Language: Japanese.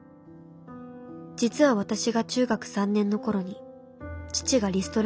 実は私が中学３年の頃に父がリストラに遭いました。